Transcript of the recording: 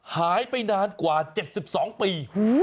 หายไปนานกว่าเจ็ดสิบสองปี